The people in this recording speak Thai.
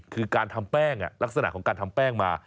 คือการทำแป้งลักษณะของการทำแป้งมา